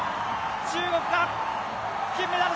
中国が金メダル！